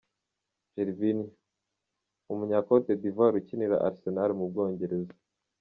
Gervinho – umunya Cote d’Ivoir ukinira Arsenal mu Bwongereza.